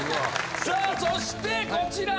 さあそしてこちら。